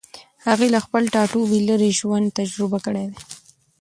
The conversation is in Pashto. هغې له خپل ټاټوبي لېرې ژوند تجربه کړی دی.